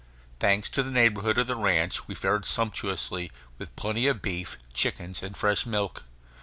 Thanks to the neighborhood of the ranch, we fared sumptuously, with plenty of beef, chickens, and fresh milk.